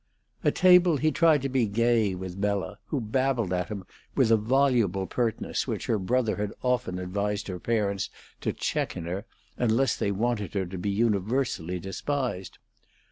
At table he tried to be gay with Bella, who babbled at him with a voluble pertness which her brother had often advised her parents to check in her, unless they wanted her to be universally despised.